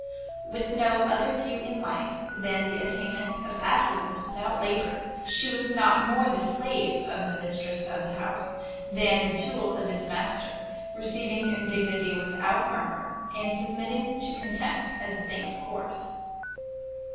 With no other view in life than the attainment of affluence without labour, she was not more the slave of the mistress of the house, than the tool of its master; receiving indignity without murmur, and submitting to contempt as a thing of course.